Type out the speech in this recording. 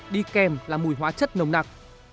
đi kèm là mùi hóa chất nồng nặc